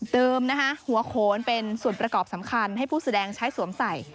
หัวโขนเป็นส่วนประกอบสำคัญให้ผู้แสดงใช้สวมใส่